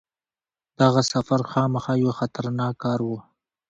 دغه سفر خامخا یو خطرناک کار وو.